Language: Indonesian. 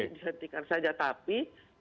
jadi dihentikan saja tapi